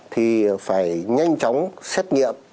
thì phải nhanh chóng xét nghiệm